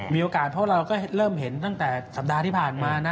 มีโอกาสเพราะเราก็เริ่มเห็นตั้งแต่สัปดาห์ที่ผ่านมานะ